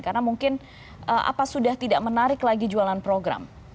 karena mungkin apa sudah tidak menarik lagi jualan program